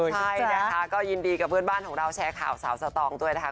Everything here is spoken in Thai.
ใช่นะคะก็ยินดีกับเพื่อนบ้านของเราแชร์ข่าวสาวสตองด้วยนะคะ